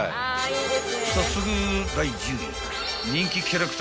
［早速］